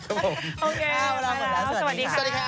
โอเคไปแล้วสวัสดีครับ